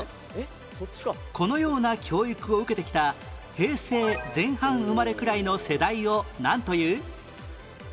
このような教育を受けてきた平成前半生まれくらいの世代をなんという？